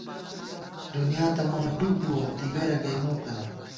دُنیا تہ ماں ٹُپ بُوَہ ، دِگَرہ گئ مو پېنہ